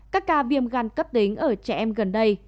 các ca viêm gan cấp tính ở trẻ em gần đây